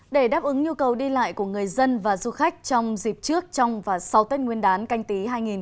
để đáp ứng nhu cầu đi lại của người dân và du khách trong dịp trước trong và sau tết nguyên đán canh tí hai nghìn hai mươi